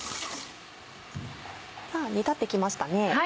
煮立ってきましたね。